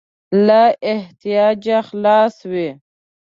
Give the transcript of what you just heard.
له احتیاجه خلاص وي.